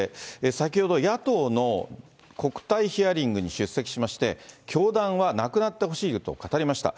先ほど野党の国対ヒアリングに出席しまして、教団はなくなってほしいと語りました。